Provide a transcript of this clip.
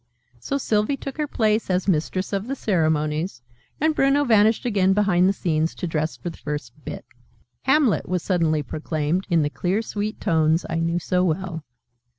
So Sylvie took her place as 'Mistress of the Ceremonies,' and Bruno vanished again behind the scenes, to dress for the first 'Bit.' "Hamlet!" was suddenly proclaimed, in the clear sweet tones I knew so well.